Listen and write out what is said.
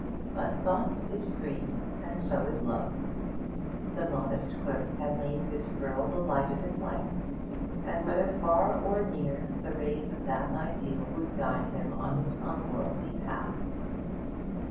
But thought is free, and so is love. The modest clerk had made this girl the light of his life, and whether far or near the rays of that ideal would guide him on his unworldly path.